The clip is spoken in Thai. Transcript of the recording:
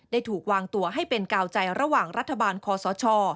ถูกวางตัวให้เป็นกาวใจระหว่างรัฐบาลคอสช